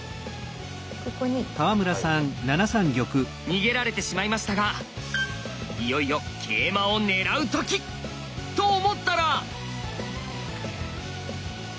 逃げられてしまいましたがいよいよ桂馬を狙う時！と思ったら。